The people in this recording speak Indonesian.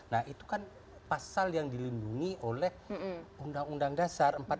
nah itu kan pasal yang dilindungi oleh undang undang dasar empat puluh lima